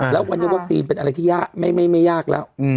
แล้ววันนี้วัคซีนเป็นอะไรที่ยากไม่ยากแล้ว